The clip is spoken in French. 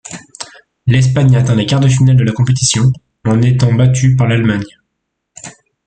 L'Espagne atteint les quarts de finale de la compétition, en étant battue par l'Allemagne.